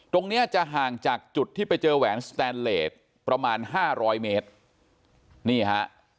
ตรงเนี้ยจะห่างจากจุดที่ไปเจอแหวนสแตนเลสประมาณห้าร้อยเมตรนี่ฮะ